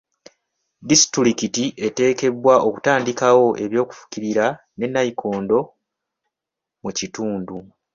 Disitulikiti eteekeddwa okutandikawo eby'okufukirira ne nayikondo mu kitundu.